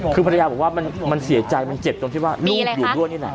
คือภรรยาบอกว่ามันเสียใจมันเจ็บตรงที่ว่าลูกอยู่ด้วยนี่แหละ